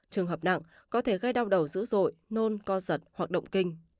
trường hợp nặng có thể gây đau đầu dữ dội nôn co giật hoặc động kinh